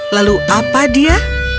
lalu apa dia